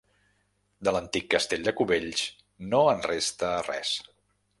De l'antic castell de Cubells, no en resta res.